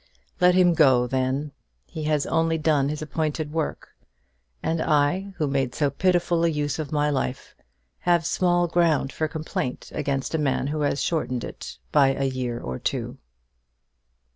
Let him go, then. He has only done his appointed work; and I, who made so pitiful a use of my life, have small ground for complaint against the man who has shortened it by a year or two."